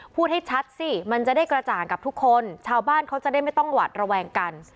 พูดให้ชัดสิมันจะได้กระจ่างกับทุกคนชาวบ้านเขาจะได้ไม่ต้องหวัดระแวงกัน